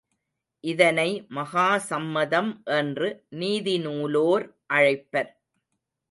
இதனை மகா சம்மதம் என்று நீதி நூலோர் அழைப்பர்.